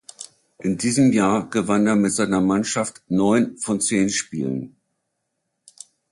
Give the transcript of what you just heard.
In diesem Jahr gewann er mit seiner Mannschaft neun von zehn Spielen.